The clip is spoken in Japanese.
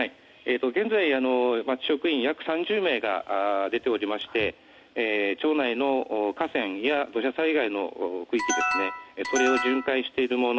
現在職員約３０名が出ておりまして町内の河川や土砂災害の区域それを巡回している者